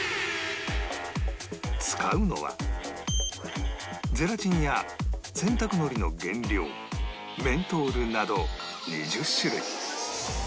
使うのはゼラチンや洗濯のりの原料メントールなど２０種類